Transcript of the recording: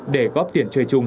để góp tiền chơi chung